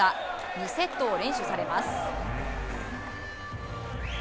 ２セットを連取されます。